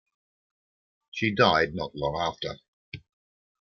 She died not long after.